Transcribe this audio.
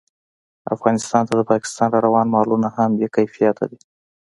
افغانستان ته د پاکستان راروان مالونه هم بې کیفیته دي